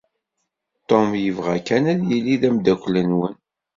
Tom yebɣa kan ad yili d ameddakkel-nwen.